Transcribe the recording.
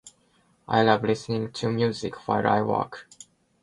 I love listening to music while I work.